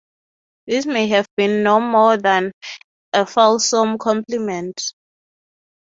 This may have been no more than a fulsome compliment.